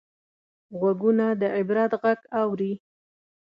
غوږونه د عبرت غږ اوري